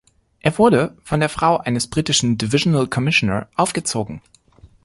Er wurde von der Frau eines britischen "Divisional Commissioner" aufgezogen.